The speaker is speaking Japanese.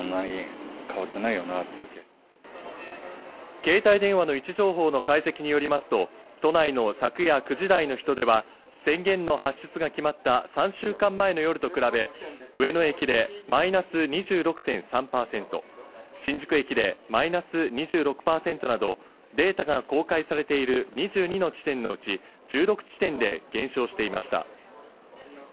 携帯電話の位置情報の解析によりますと都内の昨夜９時台の人出は宣言の発出が決まった３週間前の夜と比べ、上野駅でマイナス２６．３％、新宿駅でマイナス２６％など、データが公開されている２２の地点のうち１６地点で減少していました。